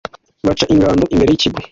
baca ingando imbere y'ikigo